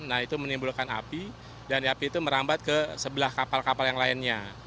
nah itu menimbulkan api dan api itu merambat ke sebelah kapal kapal yang lainnya